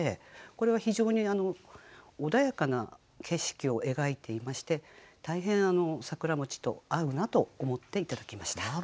これは非常に穏やかな景色を描いていまして大変「桜」と合うなと思って頂きました。